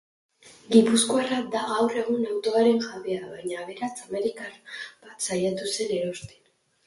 Gipuzkoarra da gaur egun autoaren jabea baina aberats amerikar bat saiatu zen erosten.